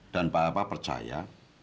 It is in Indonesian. dan papa percaya